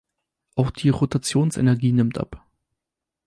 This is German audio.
Auch die Rotationsenergie nimmt ab.